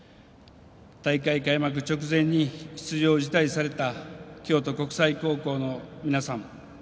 大会開幕直前に出場を辞退された京都国際高校の皆さん